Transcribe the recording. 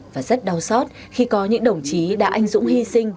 và rất đau xót khi có những đồng chí đã anh dũng hy sinh